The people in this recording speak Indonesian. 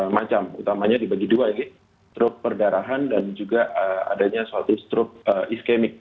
macem utamanya dibagi dua ini strok perdarahan dan juga adanya suatu strok iskemik